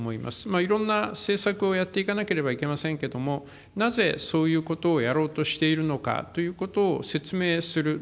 いろんな政策をやっていかなければいけませんけれども、なぜそういうことをやろうとしているのかということを説明する。